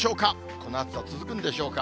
この暑さ続くんでしょうか？